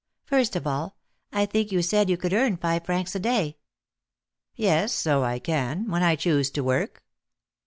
First of all, I think you said you could earn five francs a day?" "Yes, so I can, when I choose to work."